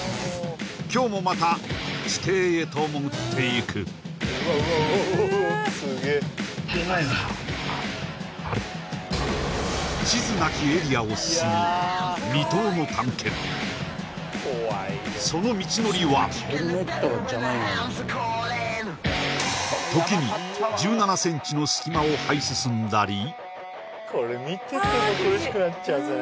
今日もまた地底へと潜っていく未踏の探検その道のりは時に１７ｃｍの隙間をはい進んだりこれ見てても苦しくなっちゃうあ